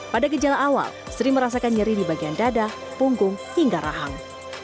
pada gejala awal sri merasakan nyeri di bagian dada punggung hingga rahang